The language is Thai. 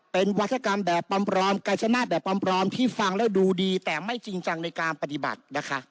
เป็นวัฒกรรมแบบปลอมกาญชนะแบบปลอมที่ฟังแล้วดูดีแต่ไม่จริงจังในการปฏิบัตินะคะ